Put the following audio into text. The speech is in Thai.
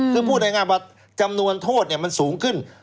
คือพูดง่ายว่าจำนวนโทษมันสูงขึ้น